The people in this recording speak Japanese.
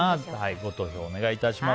ご投票お願いします。